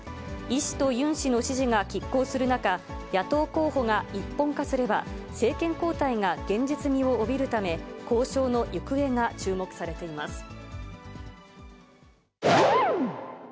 イ氏とユン氏の支持がきっ抗する中、野党候補が一本化すれば、政権交代が現実味を帯びるため、交渉の行方が注目されています。